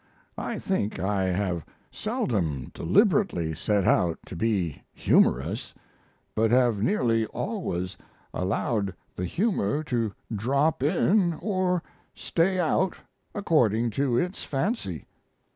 I think I have seldom deliberately set out to be humorous, but have nearly always allowed the humor to drop in or stay out, according to its fancy.